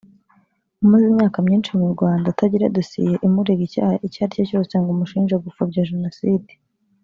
umaze imyaka mynishi mu Rwanda atagira dossier imurega icyaha icyo ari cyo cyose ngo umushinje gupfobya jenoside